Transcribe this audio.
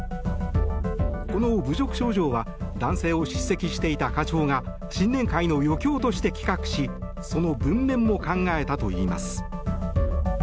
この侮辱賞状は男性を叱責していた課長が新年会の余興として企画しその文面も考えたといいます。